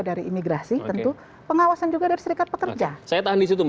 dari imigrasi tentu pengawasan juga